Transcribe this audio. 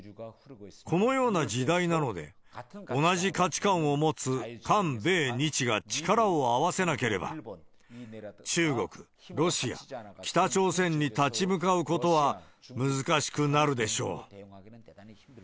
このような時代なので、同じ価値観を持つ韓米日が力を合わせなければ、中国、ロシア、北朝鮮に立ち向かうことは難しくなるでしょう。